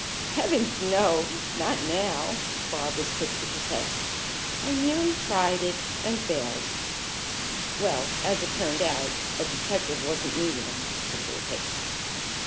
"Heavens no! Not now!" Bobs was quick to protest. "I merely tried it, and failed." "Well, as it turned out, a detective wasn't needed on that particular case."